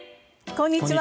こんにちは。